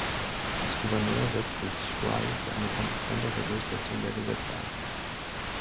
Als Gouverneur setzte sich Rye für eine konsequentere Durchsetzung der Gesetze ein.